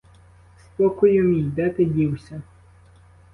Спокою мій, де ти дівся?